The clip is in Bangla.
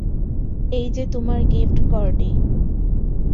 এইযে তোমার গিফট, গর্ডি।